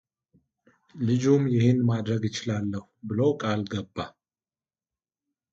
ልጁም ይህንን ማድረግ እችላለሁ ብሎ ቃል ገባ፡፡